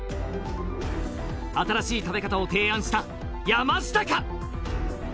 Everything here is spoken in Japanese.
新し食べ方を提案した山下か？